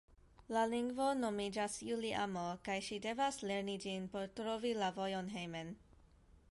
La lingvo nomiĝas Juliamo, kaj ŝi devas lerni ĝin por trovi la vojon hejmen.